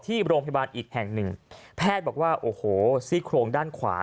ที่โรงพยาบาลอีกแห่งหนึ่งแพทย์บอกว่าโอ้โหซี่โครงด้านขวา